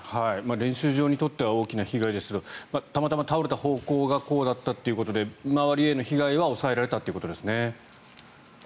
練習場にとっては大きな被害ですがたまたま倒れた方向がこうだったということで周りへの被害は抑えられたということですね。